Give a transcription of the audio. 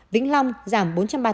vĩnh long giảm bốn trăm ba mươi tám